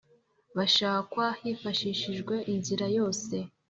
bashakwa hifashishijwe inzira yose